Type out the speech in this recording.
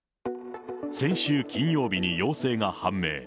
先週金曜日に陽性が判明。